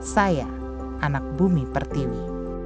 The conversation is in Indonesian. saya anak bumi pertiwi